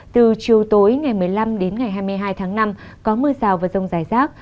từ chiều tối ngày một mươi năm đến ngày hai mươi hai tháng năm có mưa rào và rông rải rác